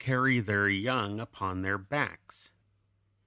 176) carry their young upon their backs.